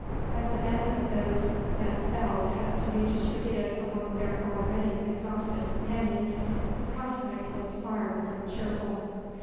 As the loads of those that fell had to be distributed among their already exhausted companions the prospect was far from cheerful.